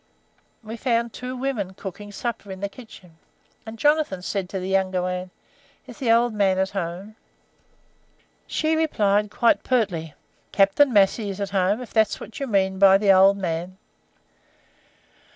We found two women cooking supper in the kitchen, and Jonathan said to the younger one, 'Is the old man at home?' She replied quite pertly: "'Captain Massey is at home, if that's what you mean by 'old man.'